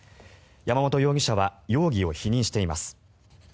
山本容疑者は容疑を否認しています。